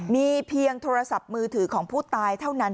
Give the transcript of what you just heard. มีเพียงโทรศัพท์มือถือของผู้ตายเท่านั้น